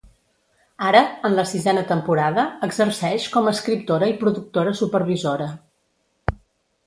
Ara, en la sisena temporada, exerceix com a escriptora i productora supervisora.